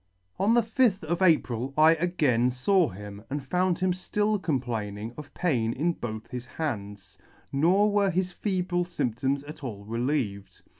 On the 5th of April I again faw him, and found him ftill complaining of pain in both his hands, nor were his febrile fymptoms at all relieved.